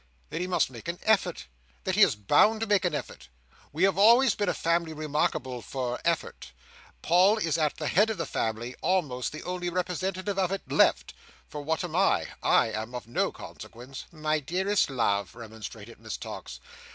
That he must make an effort. That he is bound to make an effort. We have always been a family remarkable for effort. Paul is at the head of the family; almost the only representative of it left—for what am I—I am of no consequence—" "My dearest love," remonstrated Miss Tox.